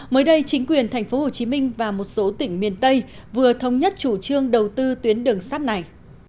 mới đây chính quyền thành phố hồ chí minh và một số tỉnh miền tây vừa thống nhất chủ trương đầu tư tuyến đường sát này